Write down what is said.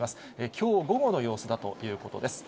きょう午後の様子だということです。